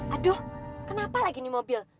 aduh kenapa lagi ini mobil